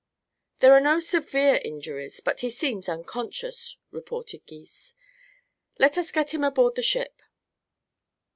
"There are no severe injuries, but he seems unconscious," reported Gys. "Let us get him aboard the ship."